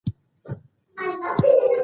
شتمن هغه دی چې د یتیم سترګې نه لمدې کوي.